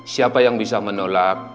siapa yang bisa menolak